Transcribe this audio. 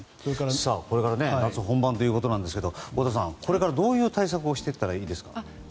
これから暑さ本番だということですが太田さん、これからどんな対策をしたほうがいいですか。